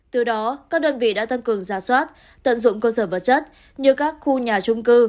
từ đó các đơn vị đã tăng cường giả soát tận dụng cơ sở vật chất như các khu nhà trung cư